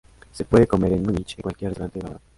Se puede comer en Múnich en cualquier restaurante Bávaro.